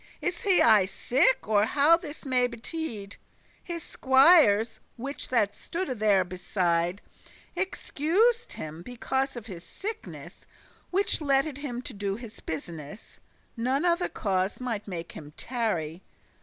Is he aye sick? or how may this betide?" His squiers, which that stoode there beside, Excused him, because of his sickness, Which letted* him to do his business: *hindered None other cause mighte make him tarry.